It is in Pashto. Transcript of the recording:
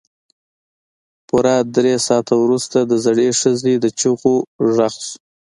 پوره درې ساعته وروسته د زړې ښځې د چيغو غږ شو.